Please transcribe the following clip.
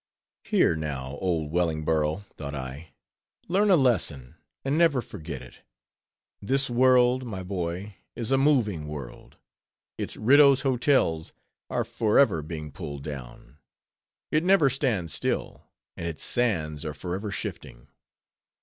Here, now, oh, Wellingborough, thought I, learn a lesson, and never forget it. This world, my boy, is a moving world; its Riddough's Hotels are forever being pulled down; it never stands still; and its sands are forever shifting.